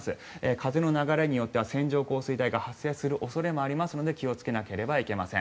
風の流れによっては線状降水帯が発生する恐れもありますので気をつけなければいけません。